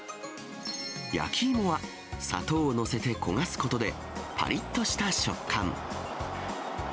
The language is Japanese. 焼き芋は、砂糖を載せて焦がすことで、ぱりっとした食感。